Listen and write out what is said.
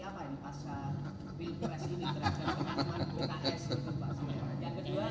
pilkut pki dan apakah sudah ada beberapa nama yang tadi dijelaskan